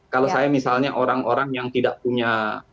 kalau saya misalnya orang orang yang tidak punya